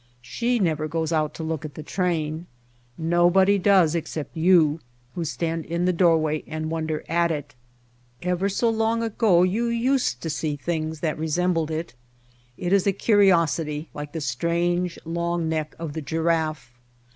She never goes out to look at the train. Nobody does, except you, who stand in the doorway and wonder at it. Ever so long ago you used to see The White Heart things that resembled it. It is a curiosity like the strange, long neck of the giraffe.